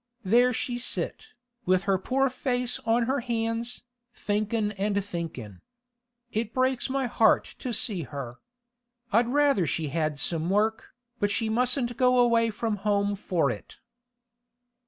There she sit, with her poor face on her hands, thinkin' and thinkin'. It breaks my heart to see her. I'd rather she had some work, but she mustn't go away from home for it.